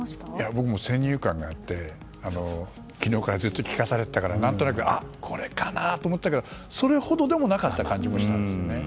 僕も先入観があって昨日からずっと聞かされてたから何となく、これかなと思ったけどそれほどでもなかったかなと。